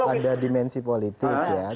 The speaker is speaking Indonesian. ada dimensi politik ya